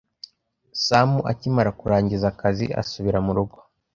Sam akimara kurangiza akazi, asubira mu rugo.